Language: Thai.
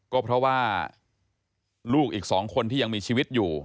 ก็เพราะว่าลูกอีก๒คนที่ยังมีชีวิตอยู่